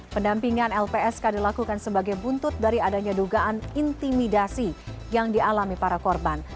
pendampingan lpsk dilakukan sebagai buntut dari adanya dugaan intimidasi yang dialami para korban